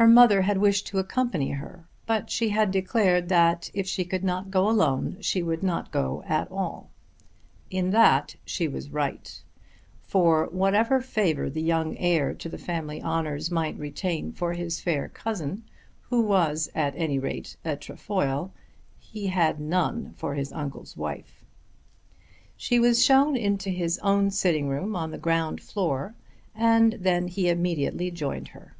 Her mother had wished to accompany her but she had declared that if she could not go alone she would not go at all. In that she was right; for whatever favour the young heir to the family honours might retain for his fair cousin, who was at any rate a Trefoil, he had none for his uncle's wife. She was shown into his own sitting room on the ground floor, and then he immediately joined her.